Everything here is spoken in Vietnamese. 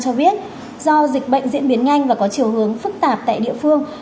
cho biết do dịch bệnh diễn biến nhanh và có chiều hướng phức tạp tại địa phương